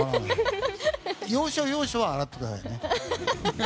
要所要所は洗ってくださいね。